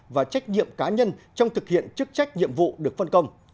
và trách nhiệm cá nhân trong thực hiện chức trách nhiệm vụ được phân công